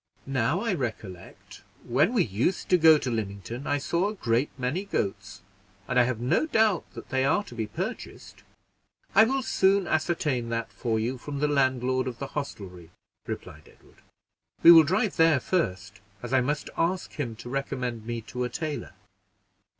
"Now I recollect, when we used to go to Lymington, I saw a great many goats, and I have no doubt that they are to be purchased. I will soon ascertain that for you, from the landlord of the hostelry," replied Edward. "We will drive there first, as I must ask him to recommend me to a tailor."